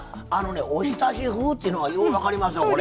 おひたし風っていうのがよう分かりますわこれ。